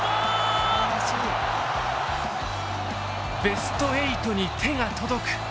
「ベスト８に手が届く」